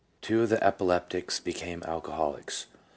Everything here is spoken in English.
Two of the epileptics became alcoholics.